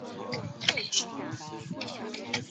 国乒女队同理。